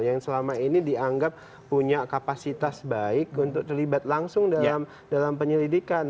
yang selama ini dianggap punya kapasitas baik untuk terlibat langsung dalam penyelidikan